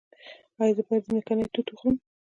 ایا زه باید ځمکنۍ توت وخورم؟